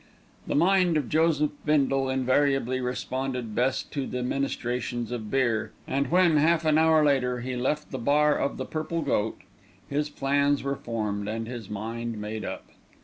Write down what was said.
The mind of Joseph Bindle invariably responded best to the ministrations of beer, and when, half an hour later, he left the bar of the Purple Goat, his plans were formed, and his mind made up.